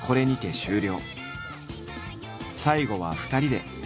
最後は２人で。